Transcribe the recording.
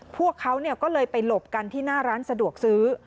พวกเขาก็เลยไปหลบกันที่หน้าร้านสะดวกซื้อ